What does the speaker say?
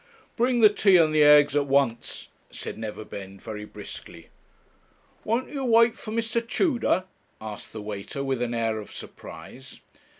'Bring the tea and the eggs at once,' said Neverbend, very briskly. 'Won't you wait for Mr. Tudor?' asked the waiter, with an air of surprise.